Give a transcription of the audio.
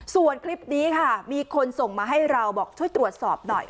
ส่วนคลิปนี้ค่ะมีคนส่งมาให้เราบอกช่วยตรวจสอบหน่อย